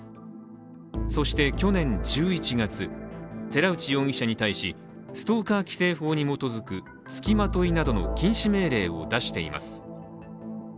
そして去年１１月、寺内容疑者に対しストーカー規制法に基づくつきまといなどの禁止命令を出しています。